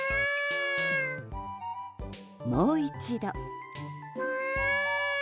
もう一度。